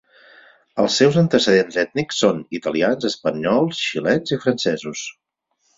Els seus antecedents ètnics són italians, espanyols, xilens i francesos.